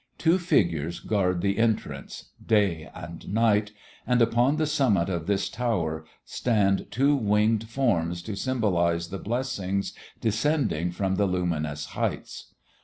Two figures guard the entrance, Day and Night, and upon the summit of this tower stand two winged forms to symbolize the Blessings descending from the luminous heights.